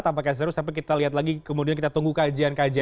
tanpa kasus terus tapi kita lihat lagi kemudian kita tunggu kajian kajian